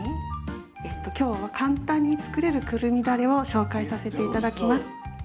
今日は簡単に作れるくるみだれを紹介させて頂きます。